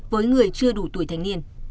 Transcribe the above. với người chưa đủ tuổi thanh niên